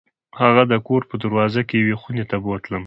هغه د کور په دروازه کې یوې خونې ته بوتلم.